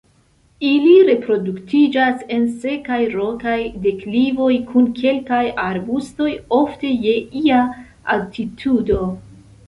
Ili reproduktiĝas en sekaj rokaj deklivoj kun kelkaj arbustoj, ofte je ia altitudo.